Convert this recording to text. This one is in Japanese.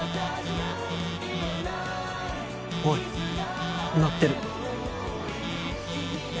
おい鳴ってる。